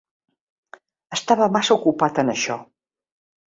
Estava massa ocupat en això.